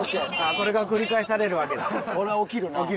これが繰り返されるわけだ。